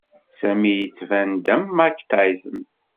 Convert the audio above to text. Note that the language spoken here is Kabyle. Sami yettban-d am Mike Tyson.